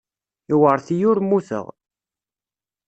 Iwṛet-iyi, ur mmuteɣ.